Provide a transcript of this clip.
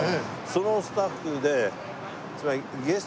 そのスタッフでつまり。